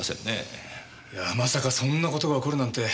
いやまさかそんな事が起こるなんて